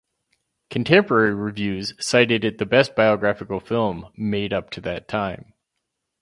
Contemporary reviews cited it the best biographical film made up to that time.